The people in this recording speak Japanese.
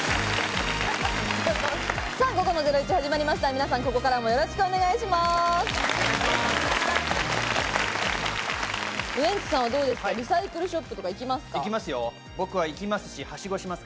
皆さん、ここからもよろしくお願いします。